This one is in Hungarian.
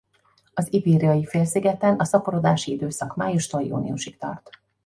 Az Ibériai-félszigeten a szaporodási időszak májustól júniusig tart.